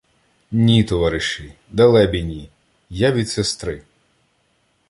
— Ні, товариші! Далебі ні! Я від сестри.